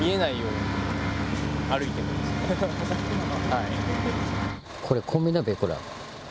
はい。